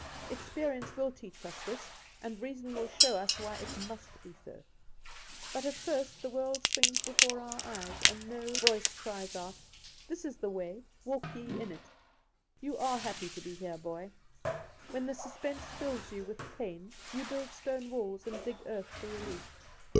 "Experience will teach us this, and reason will show us why it must be so; but at first the world swings before our eyes, and no voice cries out, 'This is the way, walk ye in it!' You are happy to be here, boy! When the suspense fills you with pain you build stone walls and dig earth for relief.